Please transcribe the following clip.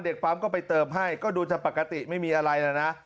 ปั๊มก็ไปเติมให้ก็ดูจะปกติไม่มีอะไรแล้วนะ